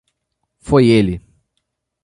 Foi ele